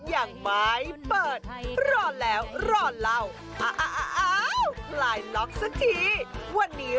อย่างไม้เปิดรอแล้วรอเราอ่าอ่าอ่าลายล็อกสักทีวันนี้